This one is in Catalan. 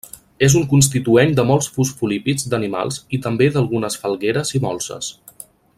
És un constituent de molts fosfolípids d'animals i també d'algunes falgueres i molses.